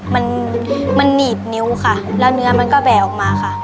มันมันหนีบนิ้วค่ะแล้วเนื้อมันก็แบกออกมาค่ะ